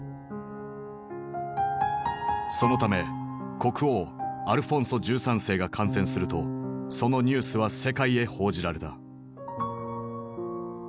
そのため国王アルフォンソ１３世が感染するとそのニュースは世界へ報じられた。